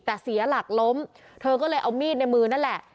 แต่เสียหลักล้มเธอก็เลยเอามีดในมือนั่นแหละ